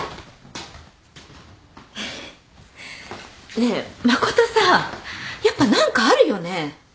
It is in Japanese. ねえ誠さやっぱ何かあるよね？